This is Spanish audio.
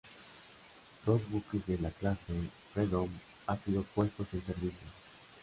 Dos buques de la clase "Freedom" han sido puestos en servicio.